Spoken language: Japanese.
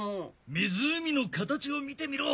湖の形を見てみろ。